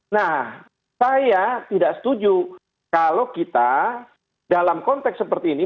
nah saya tidak setuju kalau kita dalam konteks seperti ini